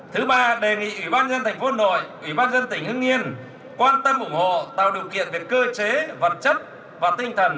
thứ ba đề nghị ủy ban nhân thành phố hà nội ủy ban dân tỉnh hưng yên quan tâm ủng hộ tạo điều kiện về cơ chế vật chất và tinh thần